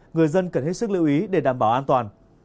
người dân cần hết sức lưu ý để đảm bảo an toàn